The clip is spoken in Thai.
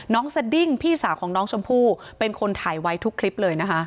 สดิ้งพี่สาวของน้องชมพู่เป็นคนถ่ายไว้ทุกคลิปเลยนะคะ